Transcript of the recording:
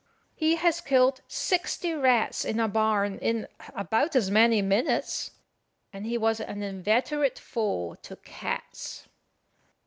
He has killed sixty rats in a barn in about as many minutes; and he was an inveterate foe to cats.